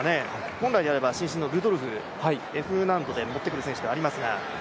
本来であれば伸身のルドルフを持ってくる選手ではありますが。